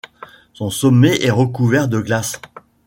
Son sommet est recouvert de glace.